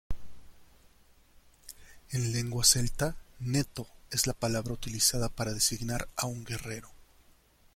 En lengua celta, "neto" es la palabra utilizada para designar a un guerrero.